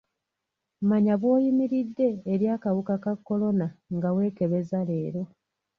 Manya bw'oyimiridde eri akawuka ka kolona nga weekebeza leero.